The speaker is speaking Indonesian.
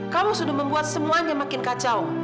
kamu sudah membuat semuanya makin kacau